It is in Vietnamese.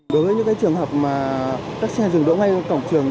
đối với những trường hợp mà các xe dừng đỗ ngay cổng trường